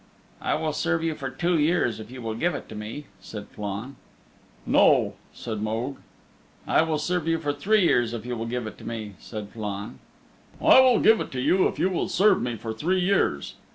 "I will serve you for two years if you will give it to me," said Flann. "No," said Mogue. "I will serve you for three years if you will give it to me," said Flann. "I will give it to you if you will serve me for three years."